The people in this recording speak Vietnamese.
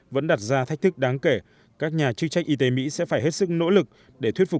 vẫn đặt ra thách thức đáng kể các nhà chức trách y tế mỹ sẽ phải hết sức nỗ lực để thuyết phục